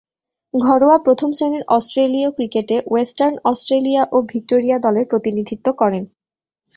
ঘরোয়া প্রথম-শ্রেণীর অস্ট্রেলীয় ক্রিকেটে ওয়েস্টার্ন অস্ট্রেলিয়া ও ভিক্টোরিয়া দলের প্রতিনিধিত্ব করেন।